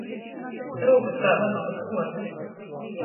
Rūkys kai vonoga spuorni.